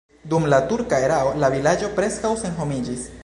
Dum la turka erao la vilaĝo preskaŭ senhomiĝis.